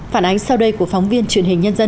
phản ánh sau đây của phóng viên truyền hình nhân dân